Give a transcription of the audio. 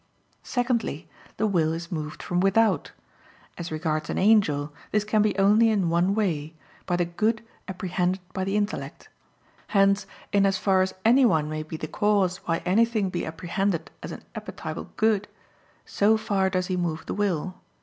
Secondly, the will is moved from without. As regards an angel, this can be only in one way by the good apprehended by the intellect. Hence in as far as anyone may be the cause why anything be apprehended as an appetible good, so far does he move the will.